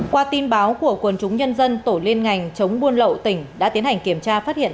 qua tin báo của quần chúng nhân dân tổ liên ngành chống buôn lậu tỉnh đã tiến hành kiểm tra phát hiện